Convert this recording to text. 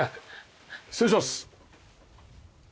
失礼します。